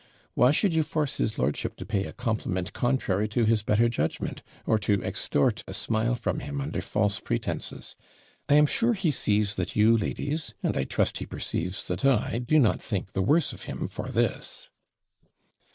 Why should you force his lordship to pay a compliment contrary to his better judgment, or to extort a smile from him under false pretences? I am sure he sees that you, ladies, and I trust he perceives that I, do not think the worse of him for this.'